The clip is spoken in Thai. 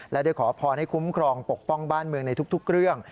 และได้ขอพรให้คุ้มครองปกป้องบ้านเมืองในทุกเรื่อง